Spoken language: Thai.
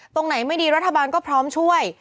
ตรงไหนไม่ดีรัฐบาลก็พร้อมช่วย